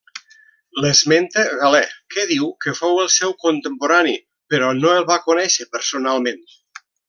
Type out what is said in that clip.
L'esmenta Galè que diu que fou el seu contemporani però no el va conèixer personalment.